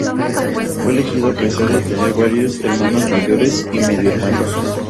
Fue elegido a pesar de tener varios hermanos mayores y medio-hermanos.